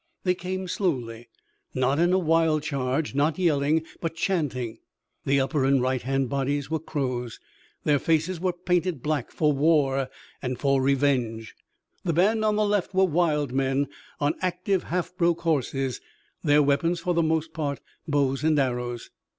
They came slowly, not in a wild charge, not yelling, but chanting. The upper and right hand bodies were Crows. Their faces were painted black, for war and for revenge. The band on the left were wild men, on active half broke horses, their weapons for the most part bows and arrows.